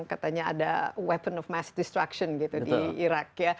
katanya ada weapon of mass destruction gitu di irak ya